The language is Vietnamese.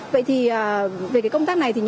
vậy thì công tác này